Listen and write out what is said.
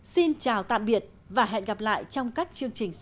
xin chào tạm biệt và hẹn gặp lại trong các chương trình sau